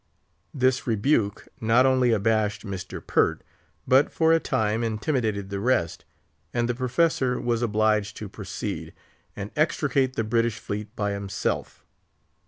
This rebuke not only abashed Mr. Pert, but for a time intimidated the rest; and the professor was obliged to proceed, and extricate the British fleet by himself.